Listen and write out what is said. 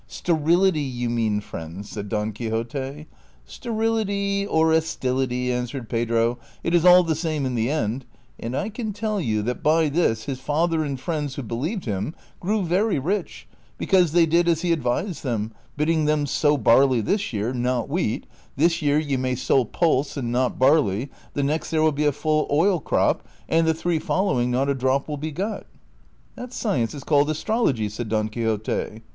'' Sterility, you mean, friend," said Don Quixote. " Sterility or estility," answered Pedro, " it is all the same in the end. And I can tell you that by this his father and friends who believed him grew very rich because they did as he advised them, bidding them ' sow barley this year, not wheat ; this year you may sow pulse ^ and not barle}^ ; the next there will be a full oil crop, and the three following not a drop will be got.' "" That science is called astrology," said Don Quixote.